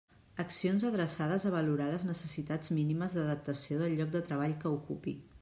Accions adreçades a valorar les necessitats mínimes d'adaptació del lloc de treball que ocupi.